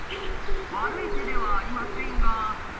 悪い手ではありませんが。